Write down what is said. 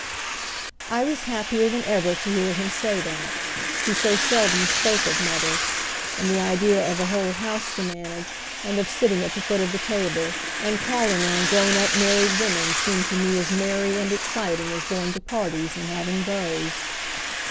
I was happier than ever to hear him say that he so seldom spoke of mother and the idea of a whole house to manage, and of sitting at the foot of the table, and calling on grown up married women seemed to me as merry and exciting as going to parties, and having beaus.